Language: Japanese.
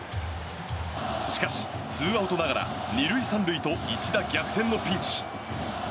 しかし、ツーアウトながら２塁３塁と一打逆転のピンチ。